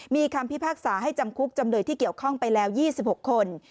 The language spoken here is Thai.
มีคำพิพากษาให้จำคุกจำเลยที่เกี่ยวข้องไปแล้ว๒๖คน